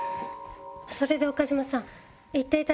それで岡島さん。